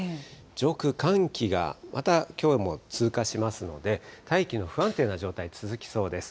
上空、寒気がまたきょうも通過しますので、大気の不安定な状態、続きそうです。